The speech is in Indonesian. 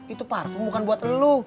itu parfum bukan buat lu